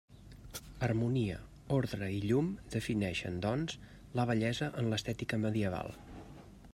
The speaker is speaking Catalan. Harmonia, ordre i llum defineixen, doncs, la bellesa en l'estètica medieval.